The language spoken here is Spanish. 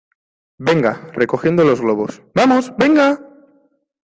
venga, recogiendo los globos. ¡ vamos , venga!